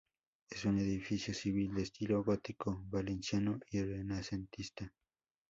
Es un edificio civil de estilo gótico valenciano y renacentista.